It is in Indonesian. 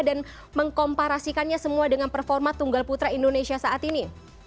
dan mengkomparasikannya semua dengan performa tunggal putra indonesia saat ini